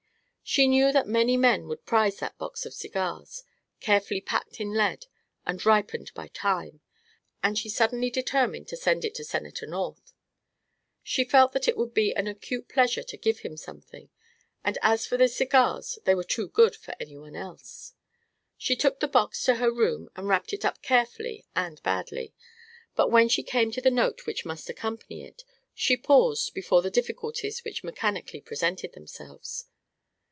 She knew that many men would prize that box of cigars, carefully packed in lead and ripened by time, and she suddenly determined to send it to Senator North. She felt that it would be an acute pleasure to give him something, and as for the cigars they were too good for any one else. She took the box to her room and wrapped it up carefully and badly; but when she came to the note which must accompany it, she paused before the difficulties which mechanically presented themselves.